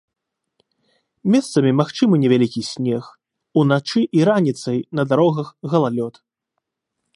Месцамі магчымы невялікі снег, уначы і раніцай на дарогах галалёд.